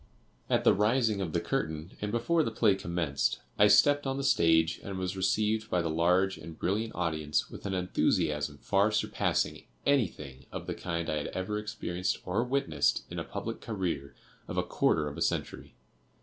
At the rising of the curtain and before the play commenced, I stepped on the stage and was received by the large and brilliant audience with an enthusiasm far surpassing anything of the kind I had ever experienced or witnessed in a public career of a quarter of a century.